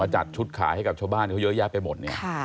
จัดชุดขายให้กับชาวบ้านเขาเยอะแยะไปหมดเนี่ย